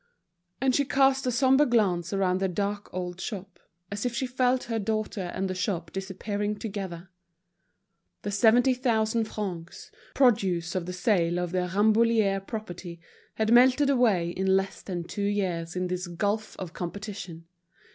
And she cast a sombre glance around the dark old shop, as if she felt her daughter and the shop disappearing together. The seventy thousand francs, produce of the sale of their Rambouillet property, had melted away in less than two years in this gulf of competition.